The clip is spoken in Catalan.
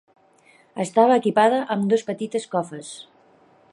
Estava equipada amb dos petites cofes.